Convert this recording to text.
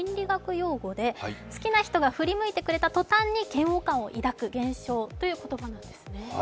用語で好きな人が振り向いてくれたとたんに嫌悪感を抱く現象ということなんですね。